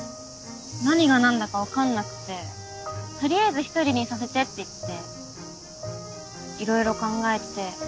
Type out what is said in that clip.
何が何だか分かんなくて取りあえず一人にさせてって言って色々考えて。